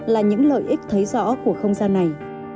là những lợi ích thấy rõ của không gian này